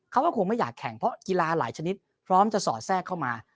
เขาก็คงไม่อยากแข่งเพราะกีฬาหลายชนิดพร้อมจะสอดแทรกเข้ามา